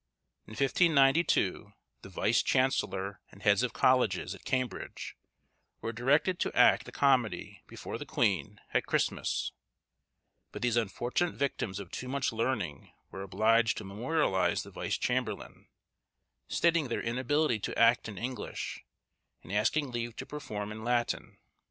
In 1592, the vice chancellor, and heads of colleges, at Cambridge, were directed to act a comedy before the queen, at Christmas; but these unfortunate victims of too much learning were obliged to memorialize the vice chamberlain, stating their inability to act in English, and asking leave to perform in Latin.